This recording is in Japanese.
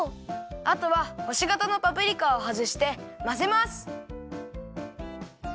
あとはほしがたのパプリカをはずしてまぜます。